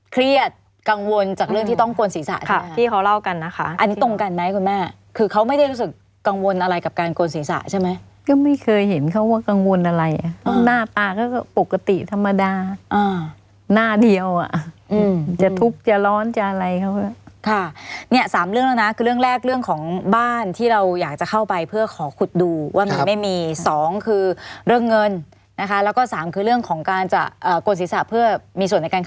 คือเขาไม่ได้รู้สึกกังวลอะไรกับการโกนศีรษะใช่ไหมก็ไม่เคยเห็นเขาว่ากังวลอะไรอ่ะหน้าตาก็ปกติธรรมดาอ่าหน้าเดียวอ่ะอืมจะทุกข์จะร้อนจะอะไรเขาค่ะเนี่ยสามเรื่องแล้วนะคือเรื่องแรกเรื่องของบ้านที่เราอยากจะเข้าไปเพื่อขอขุดดูว่ามีไม่มีสองคือเรื่องเงินนะคะแล้วก็สามคือเรื่องของการจะอ่าโกนศีรษะเพื่อมีส่วน